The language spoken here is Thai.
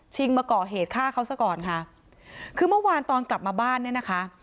มาก่อเหตุฆ่าเขาซะก่อนค่ะคือเมื่อวานตอนกลับมาบ้านเนี่ยนะคะ